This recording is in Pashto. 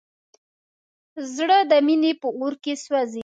زړه د مینې په اور کې سوځي.